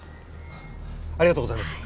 ありがとうございます。